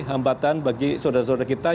hambatan bagi saudara saudara kita